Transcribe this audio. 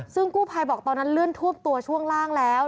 ซึ่งกู้ภัยบอกตอนนั้นเลื่อนท่วมตัวช่วงล่างแล้ว